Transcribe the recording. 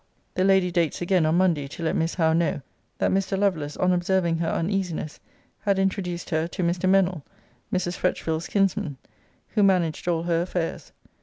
[The Lady dates again on Monday, to let Miss Howe know, that Mr. Lovelace, on observing her uneasiness, had introduced to her Mr. Mennell, Mrs. Fretchville's kinsman, who managed all her affairs.